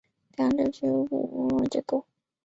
两者都具有霍普夫代数结构。